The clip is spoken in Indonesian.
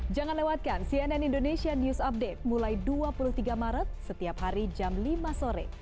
jangan lewatkan cnn indonesia news update mulai dua puluh tiga maret setiap hari jam lima sore